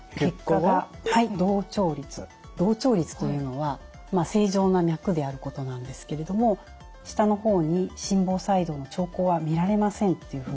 洞調律というのは正常な脈であることなんですけれども下の方に「心房細動の兆候は見られません」っていうふうに表示されます。